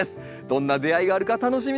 どんな出会いがあるか楽しみです。